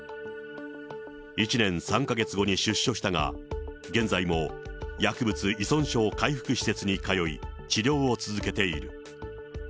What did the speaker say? １年３か月後に出所したが、現在も薬物依存症回復施設に通い、治療を続けている。